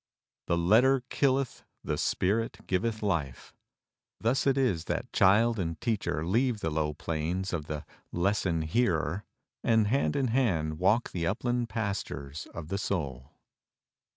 "The letter killeth; the spirit giveth life." Thus it is that child and teacher leave the low plains of the "lesson hearer" and hand in hand walk the upland pastures of the soul.